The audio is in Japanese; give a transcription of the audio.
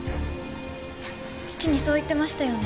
父にそう言ってましたよね？